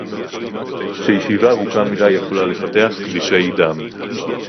שישיבה ארוכה מדי יכולה לפתח קרישי דם